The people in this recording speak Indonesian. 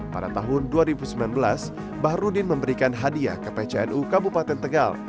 pada tahun dua ribu sembilan belas bahrudin memberikan hadiah ke pcnu kabupaten tegal